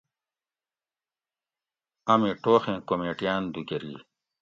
امی ٹوخیں کُمیٹیاۤن دُوکۤری